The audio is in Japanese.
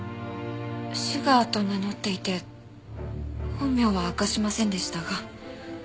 シュガーと名乗っていて本名は明かしませんでしたが。